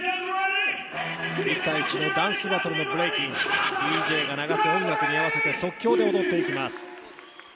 １対１のダンスバトル、ブレイキンＤＪが流す音楽に合わせて、即興で踊っていきます。